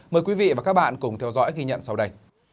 mời quý vị và các bạn cùng theo dõi ghi nhận sau đây